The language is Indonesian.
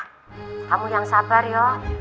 kamu yang sabar yo